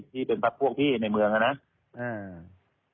เพราะว่าตอนแรกมีการพูดถึงนิติกรคือฝ่ายกฎหมาย